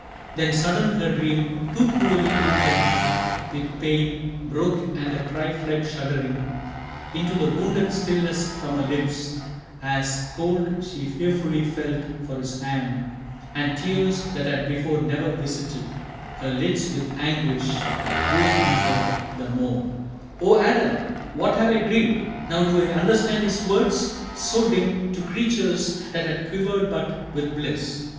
Then sudden her dream, too cruelly impent With pain, broke and a cry fled shuddering Into the wounded stillness from her lips As, cold, she fearfully felt for his hand, And tears, that had before ne'er visited Her lids with anguish, drew from her the moan: "Oh, Adam! What have I dreamed? Now do I understand His words, so dim To creatures that had quivered but with bliss!